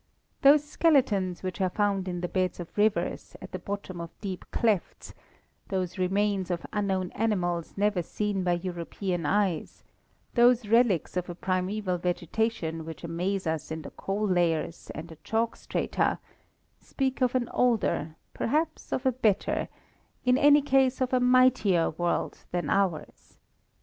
Those skeletons which are found in the beds of rivers, at the bottom of deep clefts; those remains of unknown animals never seen by European eyes; those relics of a primeval vegetation which amaze us in the coal layers, and the chalk strata, speak of an older, perhaps of a better, in any case of a mightier, world than ours.